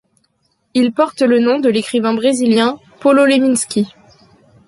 Il porte le nom de l'écrivain brésilien Paulo Leminski.